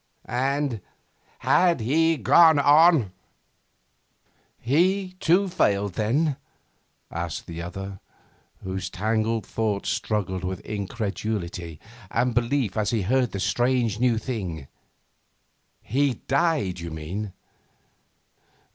And, had he gone on ' 'He, too, failed then?' asked the other, whose tangled thoughts struggled with incredulity and belief as he heard this strange new thing. 'He died, you mean?